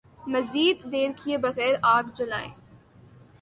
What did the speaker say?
مزید دیر کئے بغیر آگ جلائی